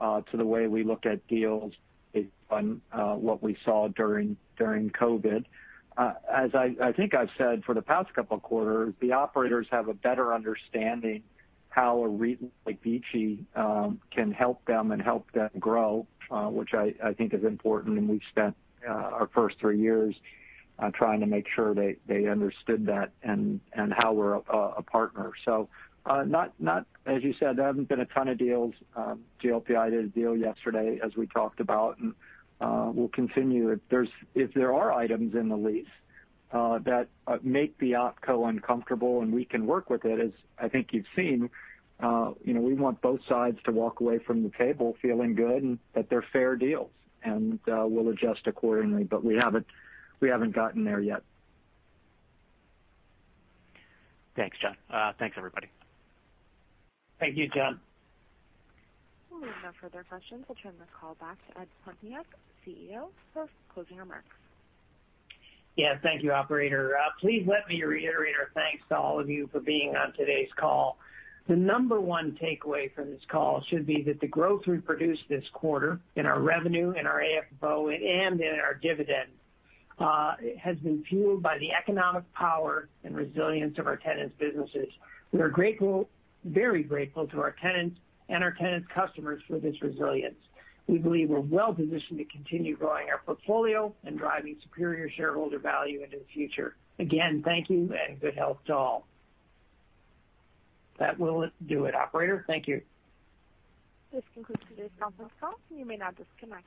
to the way we look at deals based on what we saw during COVID. As I think I've said for the past couple of quarters, the operators have a better understanding how a REIT like VICI can help them and help them grow, which I think is important, and we've spent our first three years trying to make sure they understood that and how we're a partner. As you said, there haven't been a ton of deals. GLPI did a deal yesterday, as we talked about, and we'll continue. If there are items in the lease that make the OpCo uncomfortable and we can work with it, as I think you've seen, we want both sides to walk away from the table feeling good and that they're fair deals. We'll adjust accordingly, but we haven't gotten there yet. Thanks, John. Thanks, everybody. Thank you, John. We have no further questions. I'll turn the call back to Ed Pitoniak, CEO, for closing remarks. Yeah. Thank you, operator. Please let me reiterate our thanks to all of you for being on today's call. The number one takeaway from this call should be that the growth we produced this quarter in our revenue, in our AFFO, and in our dividend has been fueled by the economic power and resilience of our tenants' businesses. We are grateful, very grateful to our tenants and our tenants' customers for this resilience. We believe we're well-positioned to continue growing our portfolio and driving superior shareholder value into the future. Again, thank you, and good health to all. That will do it, operator. Thank you. This concludes today's conference call. You may now disconnect.